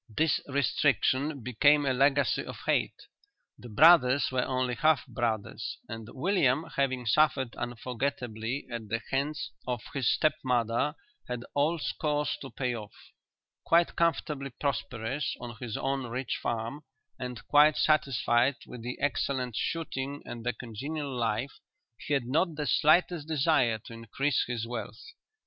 This restriction became a legacy of hate. The brothers were only half brothers and William having suffered unforgettably at the hands of his step mother had old scores to pay off. Quite comfortably prosperous on his own rich farm, and quite satisfied with the excellent shooting and the congenial life, he had not the slightest desire to increase his wealth.